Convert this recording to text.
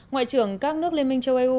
ngoại trưởng các nước liên minh châu eu